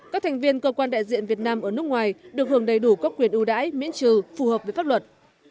các thành viên cơ quan đại diện việt nam ở nước ngoài được hưởng đầy đủ các quyền ưu đãi miễn trừ phù hợp với pháp luật